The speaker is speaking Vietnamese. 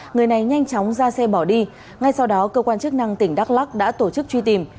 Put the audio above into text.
người này nhanh chóng ra xe bỏ đi ngay sau đó cơ quan chức năng tỉnh đắk lắc đã tổ chức truy tìm